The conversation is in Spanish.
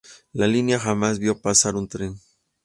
La línea jamás vio pasar un tren.